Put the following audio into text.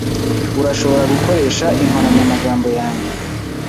Urashobora gukoresha inkoranyamagambo yanjye.